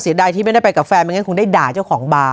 ใดที่ไม่ได้ไปกับแฟนไม่งั้นคงได้ด่าเจ้าของบาร์